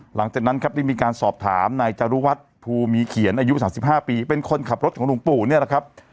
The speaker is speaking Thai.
หลังจากนั้นครับได้มีการสอบถามนายจรุวัฒน์ภูมีเขียนอายุ๓๕ปีเป็นคนขับรถของหลวงปู่เนี่ยนะครับ